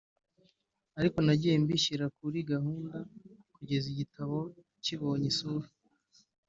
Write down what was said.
ariko nagiye mbishyira kuri gahunda kugeza igitabo kibonye isura